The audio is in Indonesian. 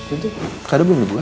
itu kadu belum dibuka